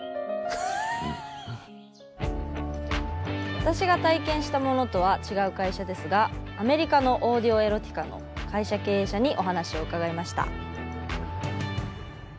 私が体験したものとは違う会社ですがアメリカのオーディオエロティカの会社経営者にお話を伺いました。